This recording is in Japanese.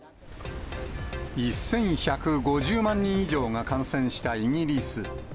１１５０万人以上が感染したイギリス。